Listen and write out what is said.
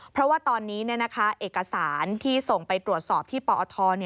เพราะว่าตอนนี้เอกสารที่ส่งไปตรวจสอบที่ปอท